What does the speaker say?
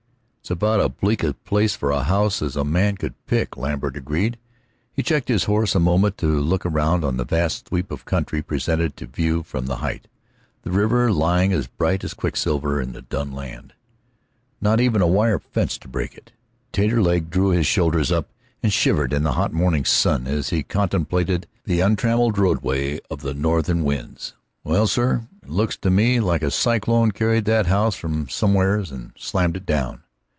"It's about as bleak a place for a house as a man could pick," Lambert agreed. He checked his horse a moment to look round on the vast sweep of country presented to view from the height, the river lying as bright as quicksilver in the dun land. "Not even a wire fence to break it!" Taterleg drew his shoulders up and shivered in the hot morning sun as he contemplated the untrammeled roadway of the northern winds. "Well, sir, it looks to me like a cyclone carried that house from somewheres and slammed it down.